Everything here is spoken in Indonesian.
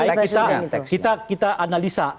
kegiatan anies baswedan itu kita kita analisa